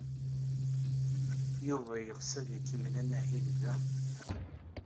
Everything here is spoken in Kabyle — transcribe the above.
Yuba yeɣs ad ikemmel amahil da.